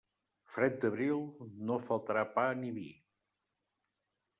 Fred d'abril, no faltarà pa ni vi.